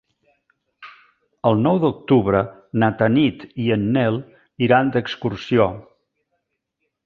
El nou d'octubre na Tanit i en Nel iran d'excursió.